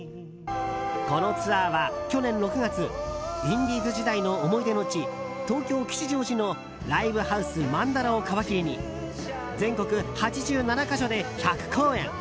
このツアーは去年６月インディーズ時代の思い出の地東京・吉祥寺のＬＩＶＥＨＯＵＳＥ曼荼羅を皮切りに全国８７か所で１００公演。